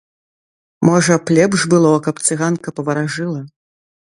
Можа б, лепш было, каб цыганка паваражыла.